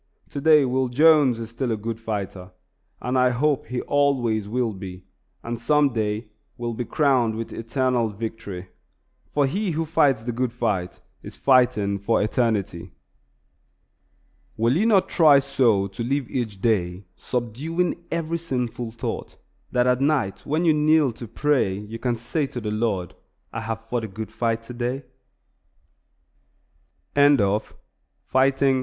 Today Will Jones is still a good fighter, and I hope he always will be, and some day will be crowned with eternal victory; for he who fights the good fight is fighting for eternity. Will you not try so to live each day, subduing every sinful thought, that at night when you kneel to pray you can say to the Lord, "I have fought a good fight today"? S. W. VAN TRUMP.